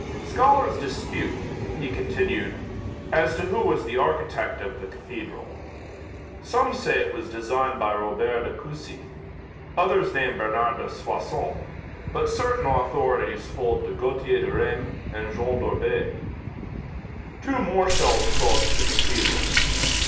"Scholars dispute," he continued, "as to who was the architect of the cathedral. Some say it was designed by Robert de Coucy; others name Bernard de Soissons, but certain authorities hold to Gauthier de Reims and Jean d'Orbais." Two more shells crossed the cathedral.